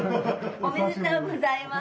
おめでとうございます！